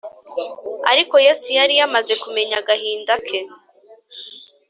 Ariko Yesu yari yamaze kumenya agahinda ke